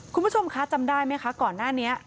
คุณผู้ชมคะจำได้ไหมคะก่อนหน้านี้